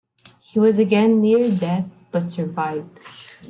He was again near death, but survived.